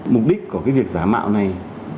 mục đích của việc giả mạo này